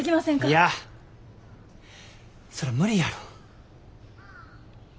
いやそら無理やろ。